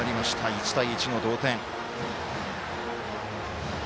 １対１の同点。